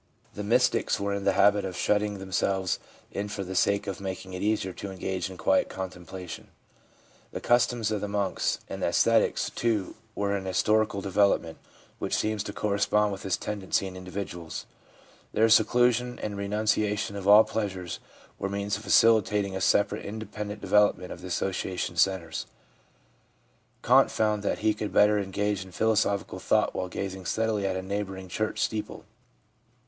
The mystics were in the habit of shutting themselves in for the sake of making it easier to engage in quiet contemplation ; the customs of the monks and ascetics, too, were an historical development which seems to correspond with this tendency in individual Their seclusion and renunciation of all pleasures were means of facilitating a separate and independent develop ment of the association centres. Kant found that he could better engage in philosophical thought while gazing steadily at a neighbouring church steeple.